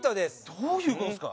どういう事ですか？